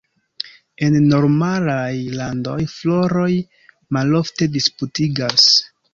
En normalaj landoj, floroj malofte disputigas.